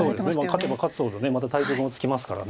勝てば勝つほどまた対局もつきますから。